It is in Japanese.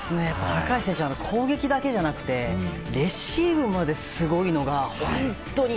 高橋選手、攻撃だけじゃなくてレシーブまですごいのが、本当に。